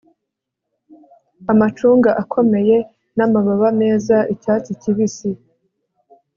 amacunga akomeye n'amababa meza, icyatsi kibisi